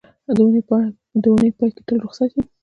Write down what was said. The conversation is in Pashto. د اونۍ پای کې تل روخصت یم